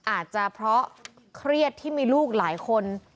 อาจจะเพราะเครียดที่มีลูกหลายคน